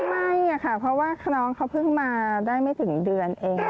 ไม่ค่ะเพราะว่าน้องเขาเพิ่งมาได้ไม่ถึงเดือนเอง